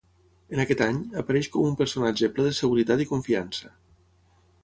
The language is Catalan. En aquest any, apareix com un personatge ple de seguretat i confiança.